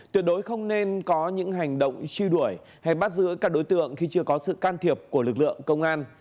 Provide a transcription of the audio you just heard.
tuyệt đối không nên có những hành động truy đuổi hay bắt giữ các đối tượng khi chưa có sự can thiệp của lực lượng công an